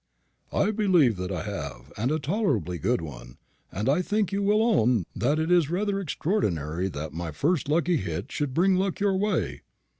"I believe that I have, and a tolerably good one; and I think you will own that it is rather extraordinary that my first lucky hit should bring luck your way."